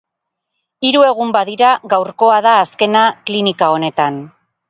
Hiru egun badira gaurkoa da azkena klinika honetan.